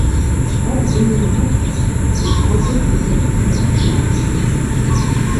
Ар зыми емыщхь, уи бгъэгур зыдэзджыздж макът.